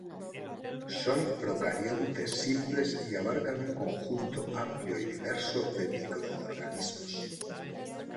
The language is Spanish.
Son procariontes simples y abarcan un conjunto amplio y diverso de microorganismos.